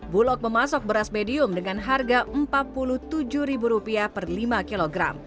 bulog memasok beras medium dengan harga rp empat puluh tujuh per lima kg